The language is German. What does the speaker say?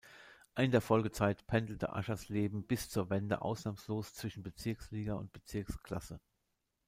In der Folgezeit pendelte Aschersleben bis zur Wende ausnahmslos zwischen Bezirksliga und Bezirksklasse.